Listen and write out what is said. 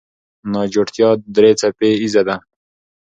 ناجوړتیا درې څپه ایزه ده.